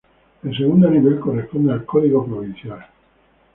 El segundo nivel corresponde al código provincial.